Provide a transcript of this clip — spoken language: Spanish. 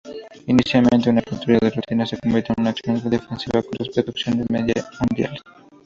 Inicialmente, una patrulla de rutina, se convirtió en una acción defensiva con repercusiones mundiales.